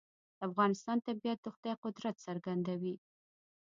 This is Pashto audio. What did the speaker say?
د افغانستان طبیعت د خدای قدرت څرګندوي.